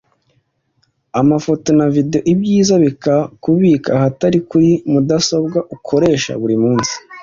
amafoto na video; ibyiza bikaba kubibika ahatari kuri mudasobwa ukoresha buri munsi